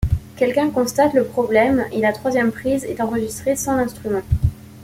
Quelqu'un constate le problème et la troisième prise est enregistrée sans l'instrument.